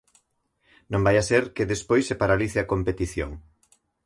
Non vaia ser que despois se paralice a competición.